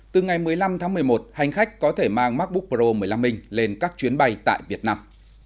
từ ngày một mươi năm tháng một mươi một hành khách có thể mang macbook pro một mươi năm minh lên các chuyến bay tại việt nam